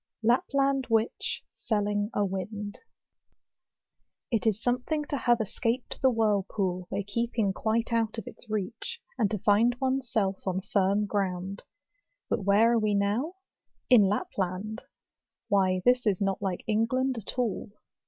Lapland Witch selling a Wind . It is something to have escaped the whirlpool, by keeping quite out of its reach; and to find one's self on firm ground. But where are we now? In Lapland ! why this is not like England at all.